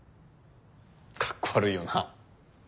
かっこ悪いよな。